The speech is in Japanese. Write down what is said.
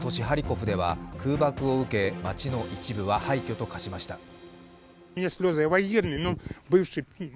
ハリコフでは空爆を受け街の一部は廃虚と化しました。